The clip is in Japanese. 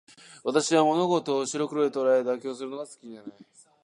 私は物事を白黒で捉え、妥協するのが好きじゃない。